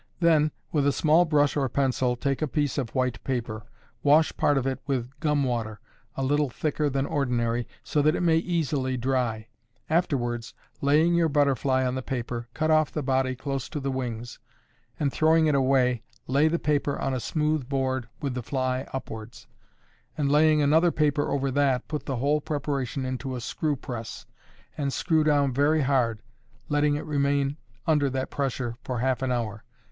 Then, with a small brush or pencil, take a piece of white paper; wash part of it with gum water, a little thicker than ordinary, so that it may easily dry. Afterwards, laying your butterfly on the paper, cut off the body close to the wings, and, throwing it away, lay the paper on a smooth board with the fly upwards; and, laying another paper over that, put the whole preparation into a screw press, and screw down very hard, letting it remain under that pressure for half an hour.